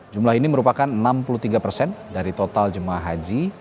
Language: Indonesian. jumlah ini merupakan enam puluh tiga dari total jum ah haji